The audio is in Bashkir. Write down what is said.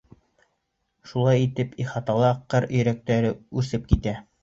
Шулай итеп ихатала ҡыр өйрәктәре үрсеп китә.